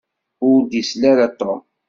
Ur d-isel ara Tom.